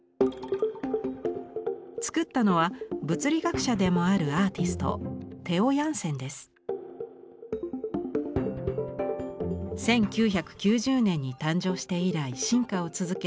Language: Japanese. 作ったのは物理学者でもある１９９０年に誕生して以来進化を続け